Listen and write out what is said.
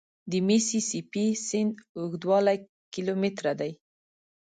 د میسي سي پي سیند اوږدوالی کیلومتره دی.